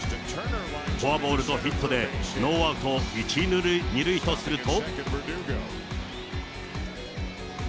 フォアボールとヒットでノーアウト１、２塁とすると。